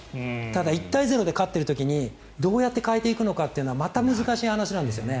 ただ、１対０で勝っている時にどうやって代えていくのかはまた難しい話なんですよね。